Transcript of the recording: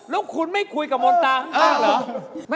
แล้วคุณไม่คุยกับมนตรา